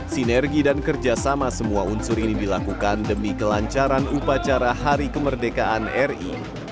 sinergi dan kerjasama semua unsur ini dilakukan demi kelancaran upacara hari kemerdekaan ri